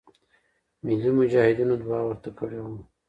ملی مجاهدینو دعا ورته کړې وه.